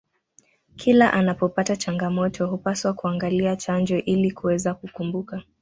kila anapopata changamoto hupaswa kuangalia chanjo ili kuweza kukumbuka